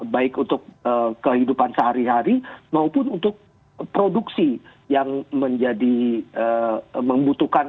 bagaimana menurut vanit containing